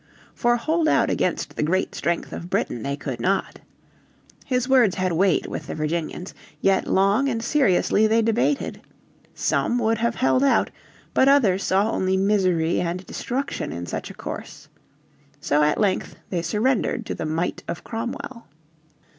For hold out against the great strength of Britain they could not. His words had weight with the Virginians. Yet long and seriously they debated. Some would have held out, but others saw only misery and destruction in such a course. So at length they surrendered to the might of Cromwell.